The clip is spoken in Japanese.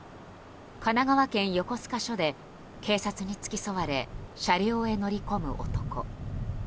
神奈川県横須賀署で警察に付き添われ車両へ乗り込む男。